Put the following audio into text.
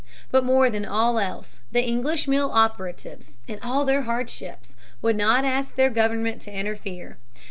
But more than all else, the English mill operatives, in all their hardships, would not ask their government to interfere.